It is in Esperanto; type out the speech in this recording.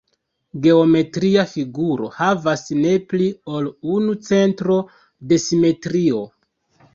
Geometria figuro havas ne pli ol unu centro de simetrio.